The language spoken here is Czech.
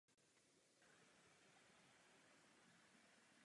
Posledním, ale důležitým bodem je zavedení odpovědnosti.